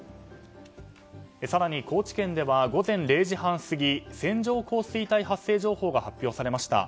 更に、高知県では午前０時半過ぎ線状降水帯発生情報が発表されました。